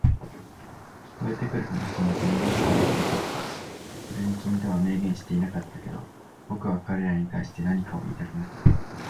聞こえてくる話に現実感はなかったし、それに君とは明言してはいなかったけど、僕は彼らに対して何かを言いたくなった。